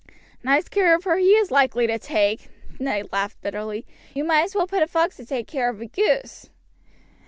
"Nice care of her he is likely to take!" Ned laughed bitterly. "You might as well put a fox to take care of a goose."